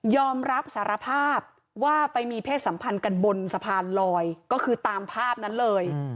อมรับสารภาพว่าไปมีเพศสัมพันธ์กันบนสะพานลอยก็คือตามภาพนั้นเลย